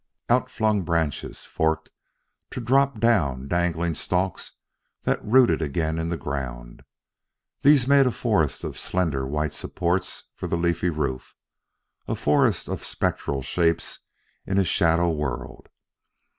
Outflung branches forked to drop down dangling stalks that rooted again in the ground; these made a forest of slender white supports for the leafy roof a forest of spectral shapes in a shadow world.